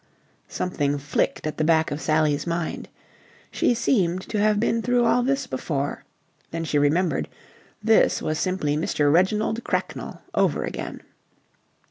Something flicked at the back of Sally's mind. She seemed to have been through all this before. Then she remembered. This was simply Mr. Reginald Cracknell over again.